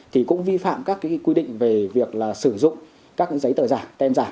thì cũng vi phạm các quy định về việc sử dụng các giấy tờ giả tem giả